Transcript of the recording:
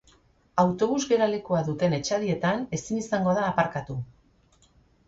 Autobus-geralekua duten etxadietan ezin izango da aparkatu.